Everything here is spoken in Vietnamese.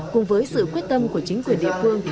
cùng với sự quyết tâm của chính quyền địa phương